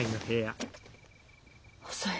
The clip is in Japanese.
遅い。